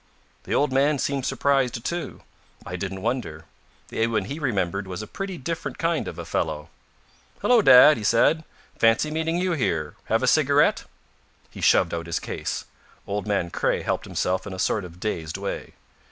The old man seemed surprised, too. I didn't wonder. The Edwin he remembered was a pretty different kind of a fellow. "Hullo, dad," he said. "Fancy meeting you here. Have a cigarette?" He shoved out his case. Old man Craye helped himself in a sort of dazed way.